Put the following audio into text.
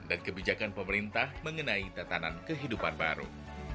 dan kebijakan pemerintah mengenai tatanan penduduk